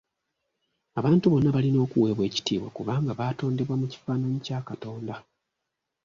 Abantu bonna balina okuweebwa ekitiibwa kubanga baatondebwa mu kifaananyi kya Katonda.